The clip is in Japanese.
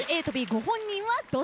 ご本人はどっち？